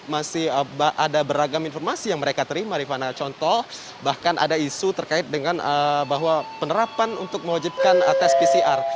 masih ada beragam informasi yang mereka terima rifana contoh bahkan ada isu terkait dengan bahwa penerapan untuk mewajibkan tes pcr